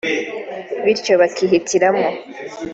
bityo bakihitiramo